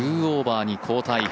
２オーバーに後退。